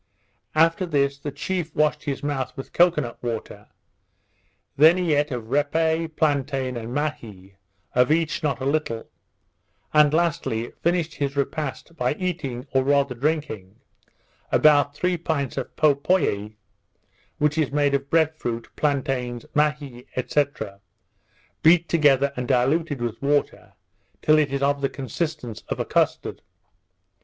After this the chief washed his mouth with cocoa nut water; then he eat of repe, plantain, and mahee, of each not a little; and, lastly, finished his repast by eating, or rather drinking, about three pints of popoie, which is made of bread fruit, plantains, mahee, &c. beat together and diluted with water till it is of the consistence of a custard.